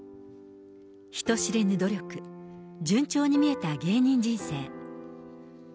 人知れぬ努力、順調に見えた芸人人生。